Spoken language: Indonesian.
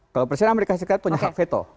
kalau presiden amerika serikat punya hak veto